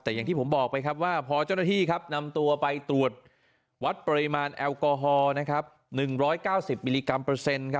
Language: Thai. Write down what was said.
แต่อย่างที่ผมบอกไปครับว่าพอเจ้าหน้าที่นำตัวไปตรวจวัดปริมาณแอลกอฮอล์๑๙๐มิลลิกรัมเปอร์เซ็นต์